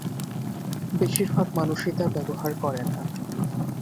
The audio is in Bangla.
বেশির ভাগ মানুষই তা ব্যবহার করে না।